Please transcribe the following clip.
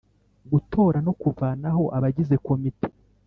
Gutora no kuvanaho abagize komite